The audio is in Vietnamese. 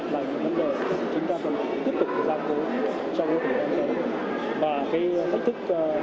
là một vấn đề chúng ta cần tiếp tục